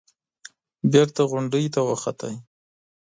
بېرته غونډۍ ته وخوت.